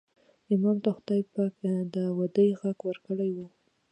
امام ته خدای پاک داودي غږ ورکړی و.